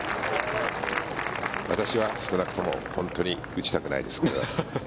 私は少なくとも本当に打ちたくないです、これは。